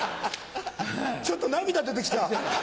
ちょっと涙出てきた。